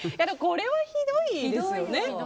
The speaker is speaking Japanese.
これはひどいですよね。